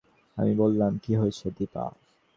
আমি বললাম, কী হয়েছে দিপা?